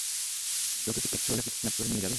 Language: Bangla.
তোকে কি টেক্সিওলা কিডনাপ করে নিয়ে যাবে?